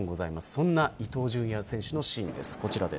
そんな伊東純也選手のシーンです。